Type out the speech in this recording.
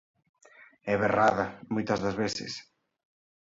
E berrada, moitas das veces.